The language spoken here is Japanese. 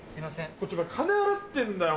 こっちは金払ってんだよお前。